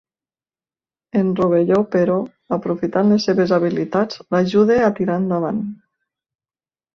En Rovelló, però, aprofitant les seves habilitats, l'ajuda a tirar endavant.